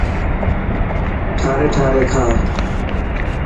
ٺاري ٺاري کا.